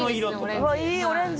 うわっいいオレンジ。